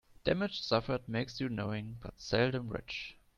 Damage suffered makes you knowing, but seldom rich.